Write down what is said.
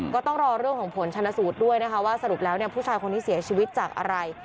ก็ต้องรอเรื่องของผลชนะสูตรด้วยนะคะว่าสรุปแล้วผู้ชายคนนี้เสียชีวิตจากอะไร